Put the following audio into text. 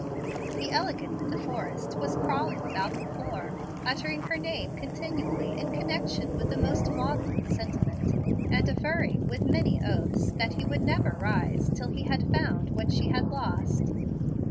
The elegant De Forrest was crawling about the floor, uttering her name continually in connection with the most maudlin sentiment, and averring with many oaths that he would never rise till he had found what she had lost.